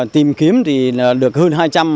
tìm kiếm thì được hơn hai trăm linh